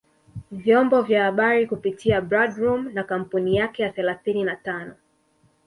vyombo vya habari kupitia Bradroom na kampuni yake ya thelathini na tano